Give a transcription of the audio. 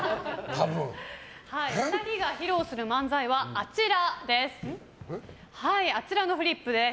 ２人が披露する漫才はあちらのフリップです。